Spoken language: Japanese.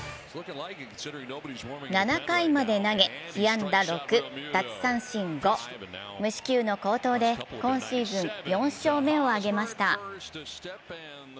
７回まで投げ被安打６、奪三振５、無四球の好投で今シーズン４勝目を挙げました。